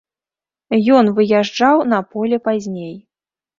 Ён выязджаў на поле пазней.